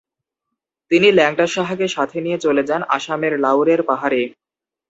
তিনি ল্যাংটা শাহকে সাথে নিয়ে চলে যান আসামের লাউরের পাহাড়ে।